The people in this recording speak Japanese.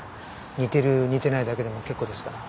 似てる似てないだけでも結構ですから。